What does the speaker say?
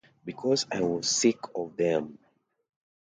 Because I was sick of them.